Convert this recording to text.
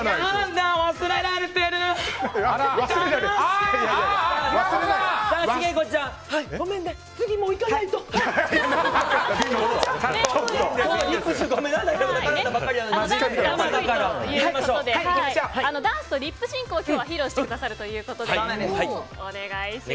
ダンスが得意ということでダンスとリップシンクを今日は披露してくださるということでお願いします。